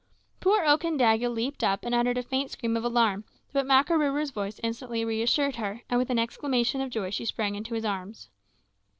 Poor Okandaga leaped up and uttered a faint scream of alarm, but Makarooroo's voice instantly reassured her, and with an exclamation of joy she sprang into his arms.